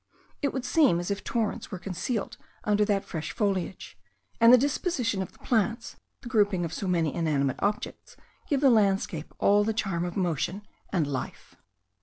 It would seem as if torrents were concealed under that fresh foliage; and the disposition of the plants, the grouping of so many inanimate objects, give the landscape all the charm of motion and of life.